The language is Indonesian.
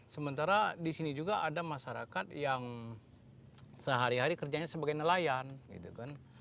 sementara di sini juga ada masyarakat yang sehari hari kerjanya sebagai nelayan gitu kan